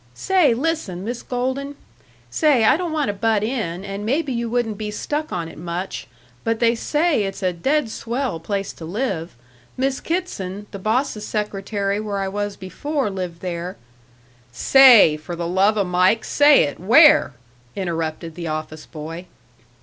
"Say, listen, Miss Golden. Say, I don't want to butt in, and maybe you wouldn't be stuck on it much, but they say it's a dead swell place to live Miss Kitson, the boss's secretary where I was before, lived there " "Say, for the love o' Mike, say it: Where?" interrupted the office boy.